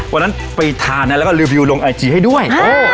วันนั้นไปทานนะแล้วก็รีวิวลงไอจีให้ด้วย